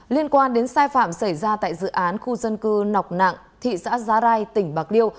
liên quan đến sai phạm xảy ra tại dự án khu dân cư nọc nạng thị xã giá rai tỉnh bạc liêu